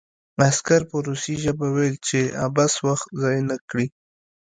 عسکر په روسي ژبه وویل چې عبث وخت ضایع نه کړي